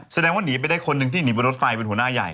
แสดงว่าหนีไปได้คนหนึ่งที่หนีบนรถไฟเป็นหัวหน้าใหญ่